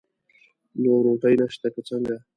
نو روټۍ نشته که څنګه؟